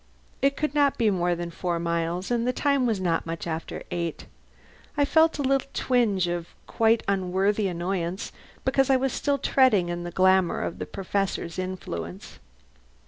It could not be more than four miles, and the time was not much after eight. I felt a little twinge of quite unworthy annoyance because I was still treading in the glamour of the Professor's influence.